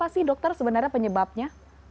dan apa sih dokter sebenarnya penyebabnya